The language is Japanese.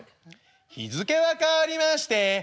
「日付は変わりまして８月２日」。